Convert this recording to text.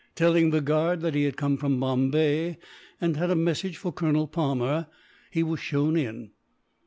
Telling the guard that he had come from Bombay, and had a message for Colonel Palmer, he was shown in.